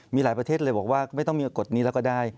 มีหลายประเทศเลยบอกว่าไม่ต้องมีกฎนี้แล้วก็ได้